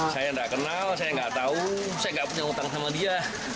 saya tidak kenal saya tidak tahu saya tidak punya hutang sama dia